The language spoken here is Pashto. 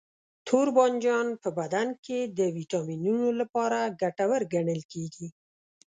توربانجان په بدن کې د ویټامینونو لپاره ګټور ګڼل کېږي.